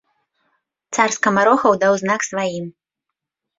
Цар скамарохаў даў знак сваім.